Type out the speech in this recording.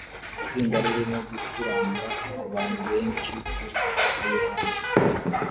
Itsinda ririmo gucuranga kubantu benshi kuri stade yo hanze